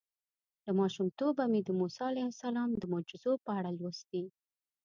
له ماشومتوبه مې د موسی علیه السلام د معجزو په اړه لوستي.